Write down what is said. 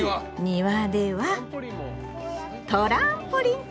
庭ではトランポリン！